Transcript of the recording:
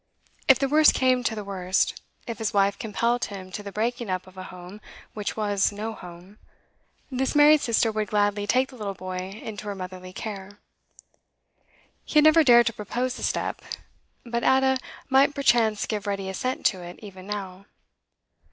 If the worst came to the worst, if his wife compelled him to the breaking up of a home which was no home, this married sister would gladly take the little boy into her motherly care. He had never dared to propose the step; but Ada might perchance give ready assent to it, even now.